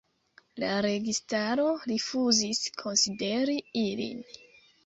La registaro rifuzis konsideri ilin.